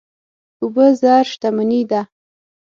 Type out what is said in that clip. اوبه زر شتمني ده.